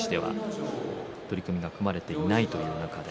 取組が組まれていないというのは。